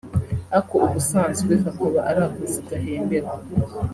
aka ubusanzwe kakaba ari akazi gahemberwa